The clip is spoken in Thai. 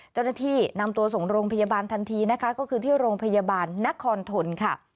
เจ้าหน้าที่นำตัวส่งโรงพยาบาลทันทีนะคะก็คือที่โรงพยาบาลนครทนค่ะ